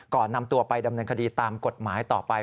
นำตัวไปดำเนินคดีตามกฎหมายต่อไป